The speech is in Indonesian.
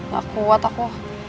gak kuat aku